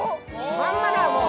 まんまだもう。